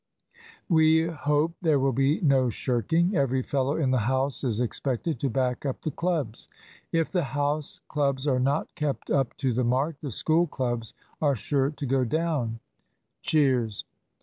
"We hope there will be no shirking. Every fellow in the house is expected to back up the clubs. If the House clubs are not kept up to the mark, the School clubs are sure to go down," (cheers).